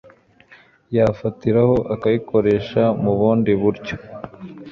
yafatiraho akayikoresha mu bundi buryo.